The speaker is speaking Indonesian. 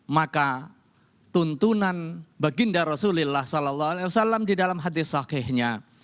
maka tuntunan baginda rasulullah saw di dalam hadis sakehnya